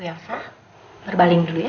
bu elsa berbaling dulu ya